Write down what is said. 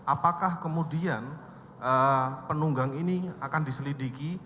apakah kemudian penunggang ini akan diselidiki